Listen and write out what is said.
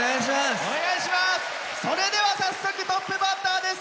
それでは早速トップバッターです。